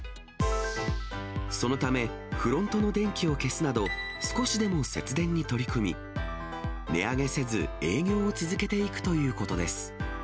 そのため、フロントの電気を消すなど、少しでも節電に取り組み、値上げせず営業を続けていくということです。